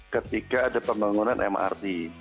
ketika ada pembangunan mrt